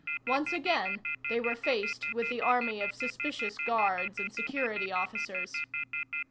Once again, they were faced with the army of suspicious guards and security officers.